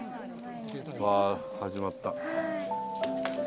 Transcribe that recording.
わ始まった。